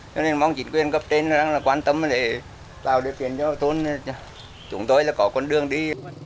cho nên mong chính quyền gặp tên là quan tâm để tạo được tiền cho thôn chúng tôi là có con đường đi